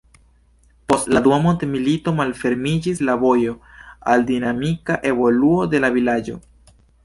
Post la dua mondmilito malfermiĝis la vojo al dinamika evoluo de la vilaĝo.